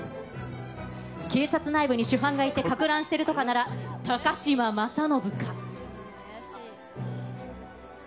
警察内部に主犯がいて、かく乱しているとかなら、高嶋政伸か。